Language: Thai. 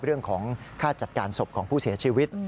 เรื่องของค่าจัดการศพของผู้เสียชีวิต